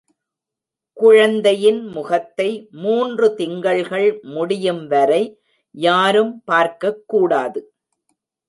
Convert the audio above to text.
குழந்தையின் முகத்தை மூன்று திங்கள்கள் முடியும் வரை யாரும் பார்க்கக் கூடாது.